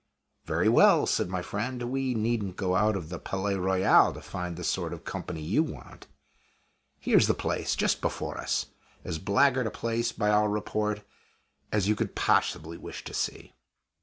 "Very well," said my friend, "we needn't go out of the Palais Royal to find the sort of company you want. Here's the place just before us; as blackguard a place, by all report, as you could possibly wish to see."